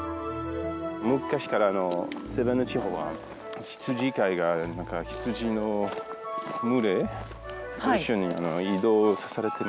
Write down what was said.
昔からセヴェンヌ地方は羊飼いが羊の群れを一緒に移動されています。